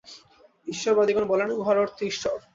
ঈশ্বরবাদিগণ বলেন, উহার অর্থ ঈশ্বর।